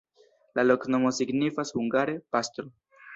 La loknomo signifas hungare: pastro.